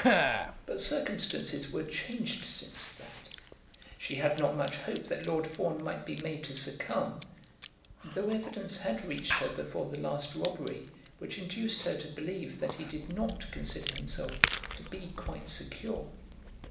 But circumstances were changed since that. She had not much hope that Lord Fawn might be made to succumb, though evidence had reached her before the last robbery which induced her to believe that he did not consider himself to be quite secure.